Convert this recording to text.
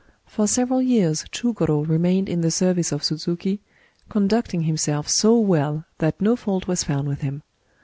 For several years Chugor5 remained in the ser vice of Suzuki, conducting himself so well that no fault was found with him.